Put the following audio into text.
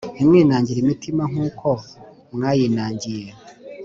Ntimwinangire imitima Nk uko mwayinangiye